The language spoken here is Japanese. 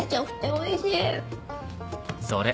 おいしい。